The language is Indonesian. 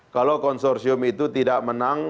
kalau konsorsium itu tidak menang